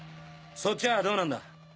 そっちはどうなんだ？